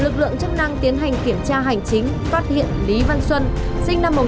lực lượng chức năng tiến hành kiểm tra hành chính phát hiện lý văn xuân